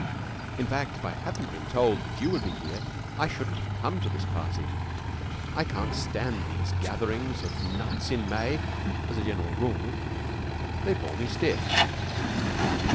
"In fact, if I hadn't been told that you would be here, I shouldn't have come to this party. Can't stand these gatherings of nuts in May as a general rule. They bore me stiff."